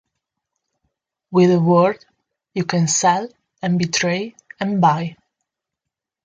With a word, you can sell, and betray, and buy.